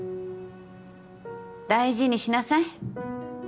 大事にしなさい。